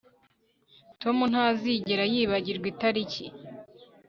Tom ntazigera yibagirwa itariki